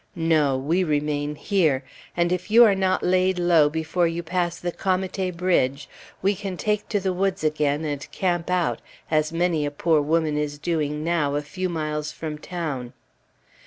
No! we remain here; and if you are not laid low before you pass the Comite Bridge, we can take to the woods again, and camp out, as many a poor woman is doing now, a few miles from town.